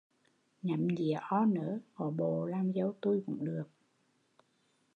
Nhắm nhía o nớ ngó bộ làm dâu tui cũng được